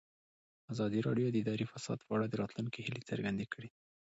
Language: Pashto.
ازادي راډیو د اداري فساد په اړه د راتلونکي هیلې څرګندې کړې.